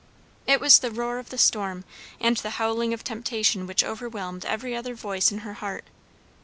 It was the roar of the storm and the howling of temptation which overwhelmed every other voice in her heart.